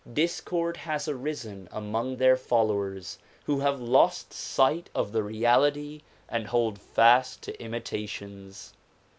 Discord has arisen among their followers who have lost sight of the reality and hold fast to imitations.